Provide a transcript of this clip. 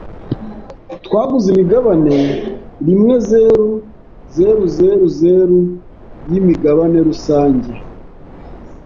Twaguze imigabane rimwezeru, zeruzeruzeru yimigabane rusange.